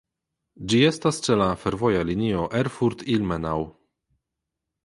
Ĝi estas ĉe la fervoja linio Erfurt–Ilmenau.